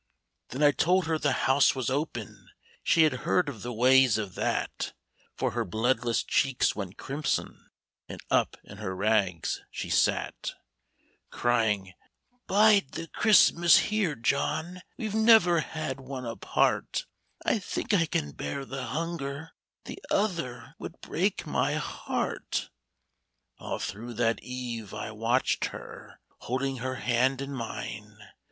" Then I told her * the House ' was open ; She had heard of the ways of that^ For her bloodless cheeks went crimson, And up in her rags she sat, Crying, * Bide the Christmas here, John, We Ve never had one apart ; I think I can bear the hunger, — The other would break my heart/ " All through that eve I watched her. Holding her hand in mine.